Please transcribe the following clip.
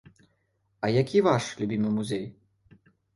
А які ваш любімы музей?